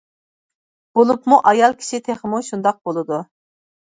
بولۇپمۇ ئايال كىشى تېخىمۇ شۇنداق بولىدۇ.